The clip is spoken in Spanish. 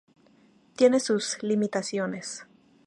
Tiene sus limitaciones".